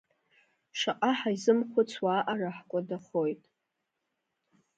Шаҟа ҳаизымхәыцуа аҟара ҳкәадахоит.